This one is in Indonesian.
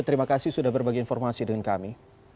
terima kasih sudah berbagi informasi dengan kami